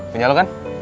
punya lu kan